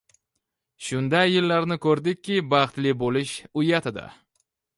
Shunday yillarni ko’rdikki, baxtli bo’lish uyat edi.